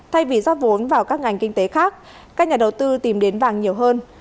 thay vì rót vốn vào các ngành kinh tế khác các nhà đầu tư tìm đến vàng nhiều hơn